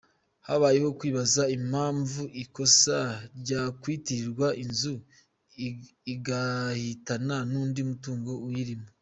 Habayeho kwibaza impamvu ikosa ryakwitirirwa inzu, igahitana n’undi mutungo uyirimo.